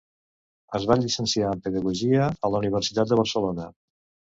Es va llicenciar en pedagogia a la Universitat de Barcelona.